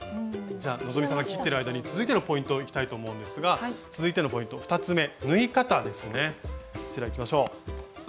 じゃ希さんが切ってる間に続いてのポイントいきたいと思うんですが続いてのポイント２つめ。